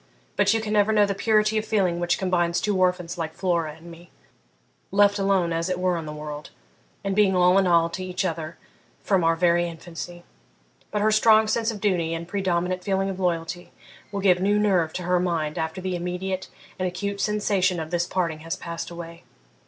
but you can never know the purity of feeling which combines two orphans like Flora and me, left alone as it were in the world, and being all in all to each other from our very infancy. But her strong sense of duty and predominant feeling of loyalty will give new nerve to her mind after the immediate and acute sensation of this parting has passed away.